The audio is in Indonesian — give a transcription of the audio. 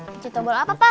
kecil tombol apa pa